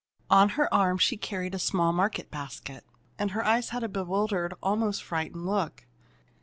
On her arm she carried a small market basket, and her eyes had a bewildered, almost frightened, look.